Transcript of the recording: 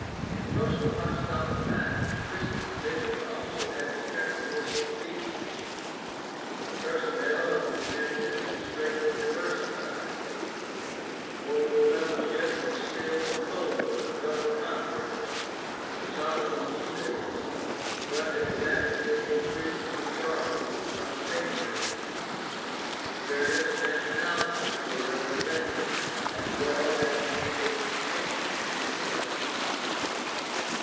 — In post apostolic times Christian living also had its characteristic features. The personnel of the communities was greatly diversified. Most of the mem bership was still composed of adult converts — some from Judaism, but a rapidly increasing majority from paganism. Various nationalities were represented, as well as many differ ent tastes and interests.